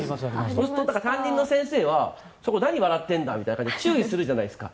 そうすると担任の先生はそこ、何笑ってんだみたいな感じで注意するじゃないですか。